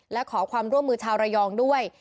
และขอความร่วมมือชาวระยองด้วย